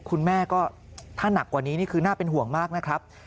คุณแม่ก็ถ้าหนักกว่านี้นี่คือน่าเป็นห่วงมากนะครับ